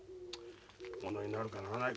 ものになるかならないか